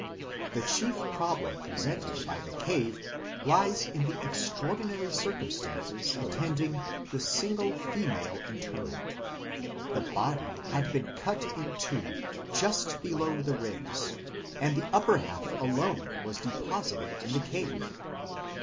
1 ... But the chief problem presented by the cave lies in the extraordinary circum stances attending the single female interment. The body had been cut in two just below the ribs, and the upper half alone was deposited in the cave.